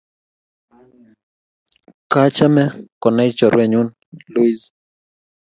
Kachame konain chorwenyu Luis